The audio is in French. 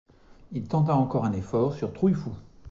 Il tenta encore un effort sur Trouillefou.